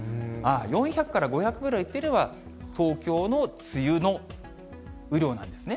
４００から５００ぐらいいっていれば、東京の梅雨の雨量なんですね。